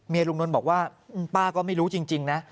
เมียลุงนลบอกว่าป้าก็ไม่รู้จริงนะ